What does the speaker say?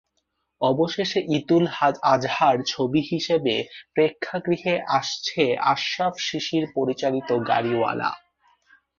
অবশেষে ঈদুল আজহার ছবি হিসেবে প্রেক্ষাগৃহে আসছে আশরাফ শিশির পরিচালিত গাড়িওয়ালা।